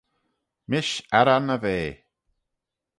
Mish arran y vea.